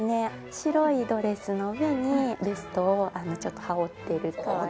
白いドレスの上にベストをちょっと羽織っているかわいらしい。